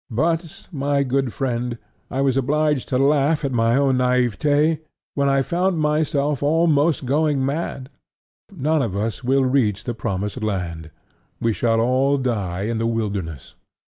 But, my good friend, I was obliged to laugh at my own naivete when I found myself almost going mad. None of us will reach the promised land: we shall all die in the wilderness.